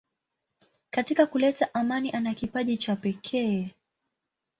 Katika kuleta amani ana kipaji cha pekee.